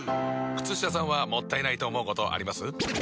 靴下さんはもったいないと思うことあります？